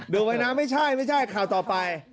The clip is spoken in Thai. ดูไว้นะไม่ใช่ข่าวต่อไป